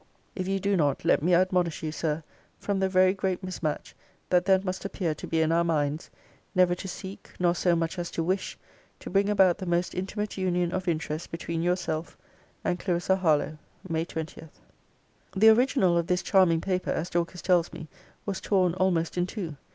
If you do not, let me admonish you, Sir, from the very great mismatch that then must appear to be in our minds, never to seek, nor so much as to wish, to bring about the most intimate union of interests between yourself and CLARISSA HARLOWE. MAY 20.' The original of this charming paper, as Dorcas tells me, was torn almost in two.